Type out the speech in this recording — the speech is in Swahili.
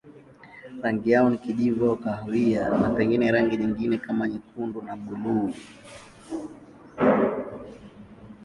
Rangi yao ni kijivu au kahawia na pengine rangi nyingine kama nyekundu na buluu.